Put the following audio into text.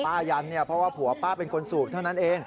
ยันเนี่ยเพราะว่าผัวป้าเป็นคนสูบเท่านั้นเอง